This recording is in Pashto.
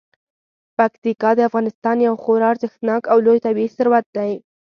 پکتیکا د افغانستان یو خورا ارزښتناک او لوی طبعي ثروت دی.